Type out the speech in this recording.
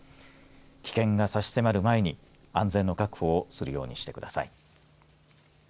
危険が差し迫る前に安全の確保をするようにしてください。